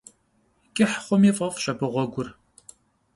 КӀыхь хъуми фӀэфӀщ абы гъуэгур.